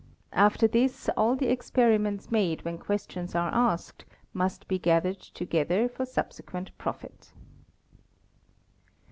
After this all the experiments made wh on questions are asked must be gathered together for subsequent profit.